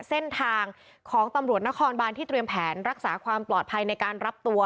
เส้นทางของตำรวจนครบานที่เตรียมแผนรักษาความปลอดภัยในการรับตัว